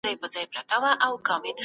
قرانکریم رښتینی کتاب دی.